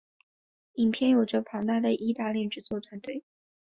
影片有着庞大的意大利制作团队。